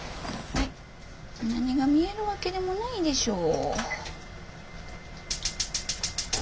何が見えるわけでもないでしょう。